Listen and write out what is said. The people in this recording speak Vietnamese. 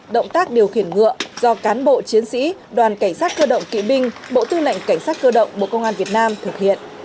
động tác điều khiển ngựa do cán bộ chiến sĩ đoàn cảnh sát cơ động kỵ binh bộ tư lệnh cảnh sát cơ động bộ công an việt nam thực hiện